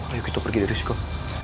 ayo kita pergi dari sini kok